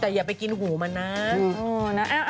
แต่อย่าไปกินหูมันนะ